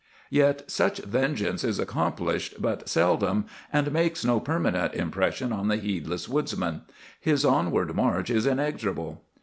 "Yet such vengeance is accomplished but seldom, and makes no permanent impression on the heedless woodsman. His onward march is inexorable.